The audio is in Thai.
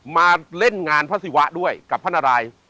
มาเล่นงานพระศิวะด้วยกับพระนาราย